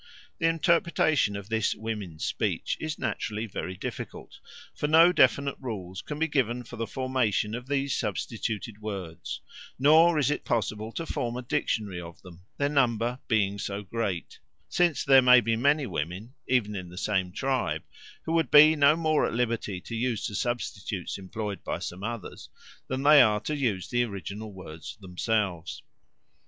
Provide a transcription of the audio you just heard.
The interpretation of this "women's speech" is naturally very difficult, "for no definite rules can be given for the formation of these substituted words, nor is it possible to form a dictionary of them, their number being so great since there may be many women, even in the same tribe, who would be no more at liberty to use the substitutes employed by some others, than they are to use the original words themselves."